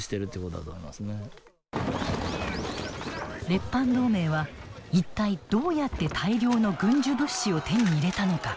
列藩同盟は一体どうやって大量の軍需物資を手に入れたのか。